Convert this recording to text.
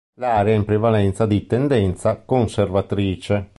L'area è in prevalenza di tendenza conservatrice.